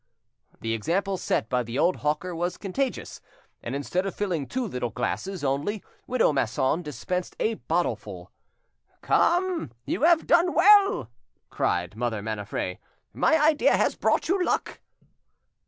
The example set by the old hawker was contagious, and instead of filling two little glasses only, widow Masson dispensed a bottleful. "Come, you have done well," cried Mother Maniffret; "my idea has brought you luck."